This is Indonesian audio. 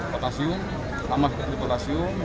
potasium sama seperti potasium